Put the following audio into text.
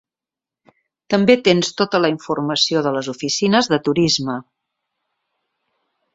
També tens tota la informació de les oficines de turisme.